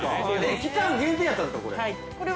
期間限定やったんですか、これ。